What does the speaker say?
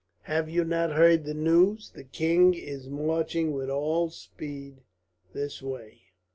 Have you not heard the news? The king is marching with all speed this way.